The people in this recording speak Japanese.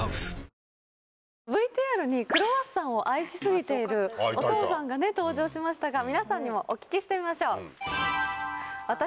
ＶＴＲにクロワッサンを愛し過ぎているお父さんが登場しましたが皆さんにもお聞きしてみましょう。